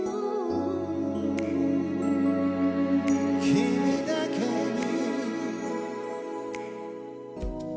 「君だけに」